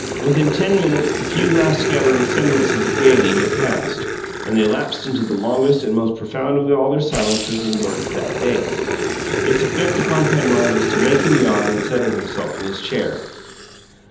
Within ten minutes the few last scattering semblances of gayety had passed, and they lapsed into the longest and most profound of all their silences indoors that day. Its effect upon Penrod was to make him yawn and settle himself in his chair.